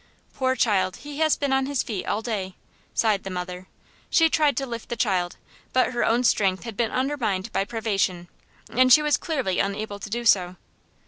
"Poor child! He has been on his feet all day," sighed the mother. She tried to lift the child, but her own strength had been undermined by privation, and she was clearly unable to do so.